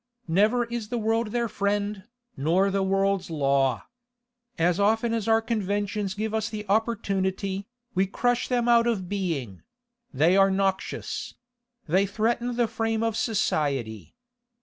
Never is the world their friend, nor the world's law. As often as our conventions give us the opportunity, we crush them out of being; they are noxious; they threaten the frame of society.